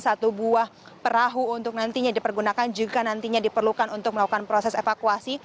satu buah perahu untuk nantinya dipergunakan juga nantinya diperlukan untuk melakukan proses evakuasi